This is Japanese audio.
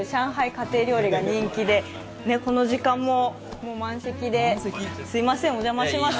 家庭料理が人気で、この時間ももう満席で、すみません、お邪魔します。